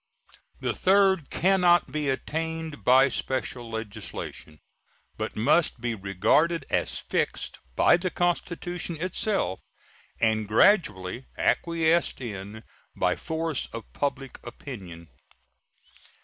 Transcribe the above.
The third can not be attained by special legislation, but must be regarded as fixed by the Constitution itself and gradually acquiesced in by force of public opinion.